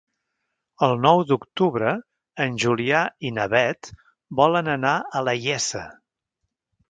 El nou d'octubre en Julià i na Beth volen anar a la Iessa.